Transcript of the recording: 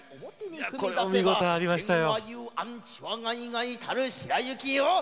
これも見応えありましたよ。